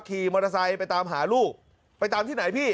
ขี่มอเตอร์ไซค์ไปตามหาลูกไปตามที่ไหนพี่